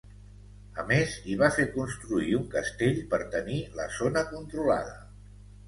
A més, hi va fer construir un castell per tenir la zona controlada.